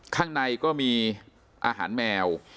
ข้างในก็มีอาหารแมว